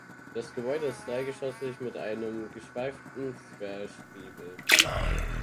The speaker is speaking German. Das Gebäude ist dreigeschossig mit einem geschweiften Zwerchgiebel.